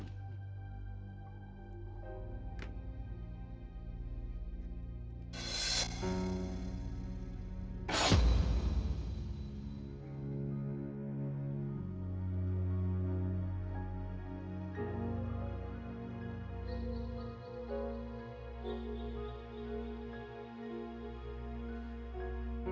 maria dua minggu lagi